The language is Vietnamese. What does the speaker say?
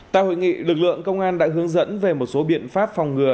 tại hội nghị lực lượng công an đã hướng dẫn về một số biện pháp phòng ngừa